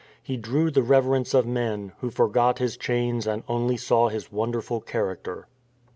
He drew the rever ence of men, who forgot his chains and only saw his wonderful character.